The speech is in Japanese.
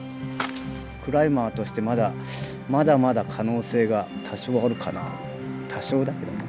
「クライマーとしてまだまだ可能性が多少あるかな」と多少だけどね